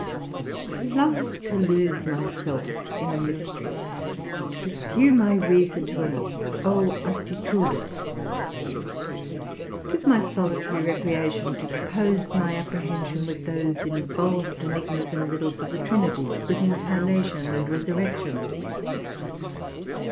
I love to lose myself in a mystery, to pursue my reason to an O altitudo! 'Tis my solitary recreation to pose my apprehension with those involved enigmas and riddles of the Trinity, with Incarnation and Resurrection.